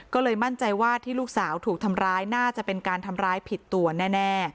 ก็เลยมั่นใจว่าที่ลูกสาวถูกทำร้ายน่าจะเป็นการทำร้ายผิดตัวแน่